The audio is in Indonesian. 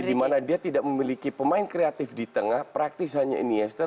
dimana dia tidak memiliki pemain kreatif di tengah praktis hanya iniesta